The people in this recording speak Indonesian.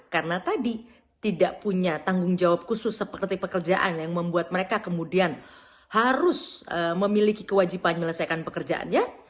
karena tadi tidak punya tanggung jawab khusus seperti pekerjaan yang membuat mereka kemudian harus memiliki kewajiban melesaikan pekerjaannya